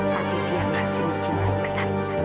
tapi dia masih mencintai iksan